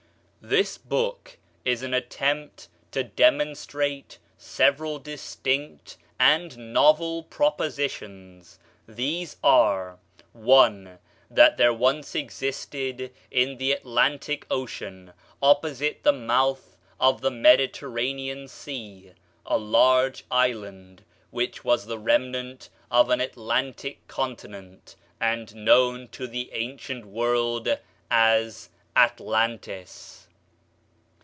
This book is an attempt to demonstrate several distinct and novel propositions. These are: 1. That there once existed in the Atlantic Ocean, opposite the mouth of the Mediterranean Sea, a large island, which was the remnant of an Atlantic continent, and known to the ancient world as Atlantis.